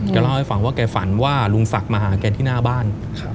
เล่าให้ฟังว่าแกฝันว่าลุงศักดิ์มาหาแกที่หน้าบ้าน